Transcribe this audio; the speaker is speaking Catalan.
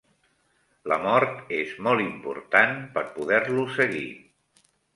La mort és molt important per poder-lo seguir.